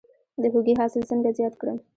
د هوږې حاصل څنګه زیات کړم؟